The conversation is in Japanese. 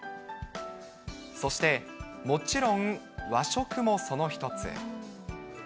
そしてもちろん和食もその一つ。